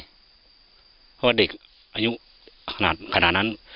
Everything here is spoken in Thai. เพราะว่าเด็กอายุขนาดนั้น